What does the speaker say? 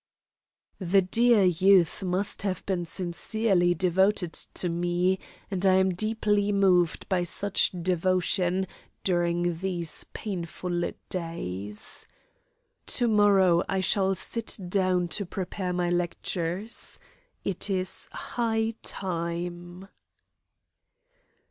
The dear youth must have been sincerely devoted to me, and I am deeply moved by such devotion during these painful days. To morrow I shall sit down to prepare my lectures. It is high time!